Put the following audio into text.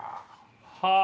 はあ！